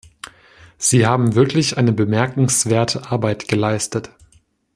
Sie haben wirklich eine bemerkenswerte Arbeit geleistet.